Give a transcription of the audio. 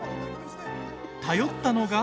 頼ったのが。